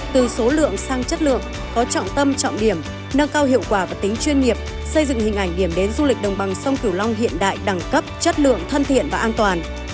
từ số lượng sang chất lượng có trọng tâm trọng điểm nâng cao hiệu quả và tính chuyên nghiệp xây dựng hình ảnh điểm đến du lịch đồng bằng sông cửu long hiện đại đẳng cấp chất lượng thân thiện và an toàn